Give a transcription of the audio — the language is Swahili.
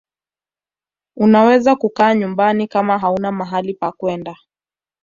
unaweza kukaa nyumbani kama hauna mahali pakwenda